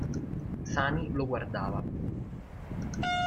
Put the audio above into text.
Sani lo guardava.